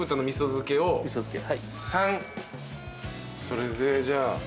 それでじゃあ。